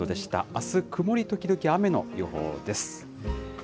あす、曇り時々雨の予報です。